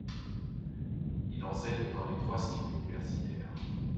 Il enseigne dans les trois cycles universitaires.